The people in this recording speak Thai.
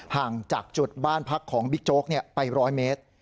ห่างจากจุดบ้านพักของบิ๊กโจ๊กไป๑๐๐เมตร